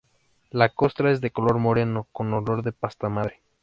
La costra es de color moreno con olor de pasta madre.